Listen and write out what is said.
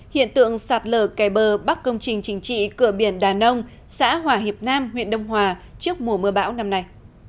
hiện tượng sạt lở kè bờ bắc công trình chính trị cửa biển đà nông xã hòa hiệp nam huyện đông hòa trước mùa mưa bão năm nay